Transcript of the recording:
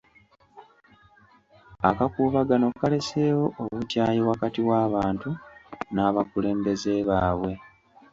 Akakuubagano kaleeseewo obukyayi wakati w'abantu n'abakulembeze baabwe.